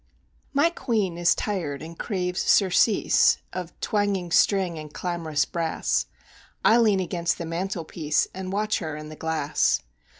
My queen is tired and craves surcease Of twanging string and clamorous brass; I lean against the mantelpiece, And watch her in the glass.